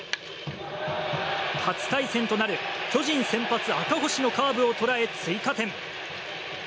初対戦となる巨人先発、赤星のカーブを捉え追加点。